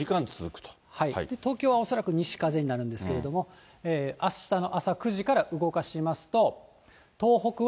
東京は恐らく西風になるんですけれども、あしたの朝９時から動かしますと。